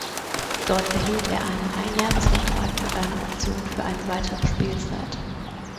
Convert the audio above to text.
Dort erhielt er einen Einjahresvertrag mit einer Option für eine weitere Spielzeit.